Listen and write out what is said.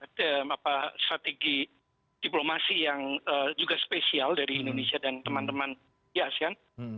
ada strategi diplomasi yang juga spesial dari indonesia dan teman teman di asean